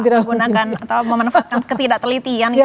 menggunakan atau memanfaatkan ketidak telitian